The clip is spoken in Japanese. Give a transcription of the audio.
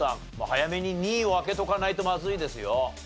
早めに２位を開けとかないとまずいですよ。